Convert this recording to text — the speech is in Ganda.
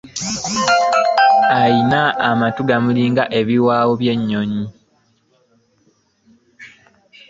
Alina amatu gamulinga ebiwoowa by'enyonyi.